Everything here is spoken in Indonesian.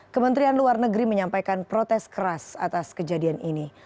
kementerian luar negeri menyampaikan protes keras atas kejadian ini